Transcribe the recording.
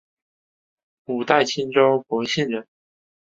五代青州博兴人。